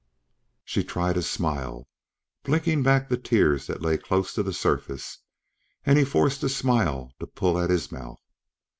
She tried a smile, blinking back the tears that lay close to the surface, and he forced a smile to pull at his mouth.